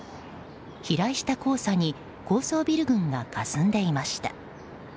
飛来した黄砂に高層ビル群がかすんでいました。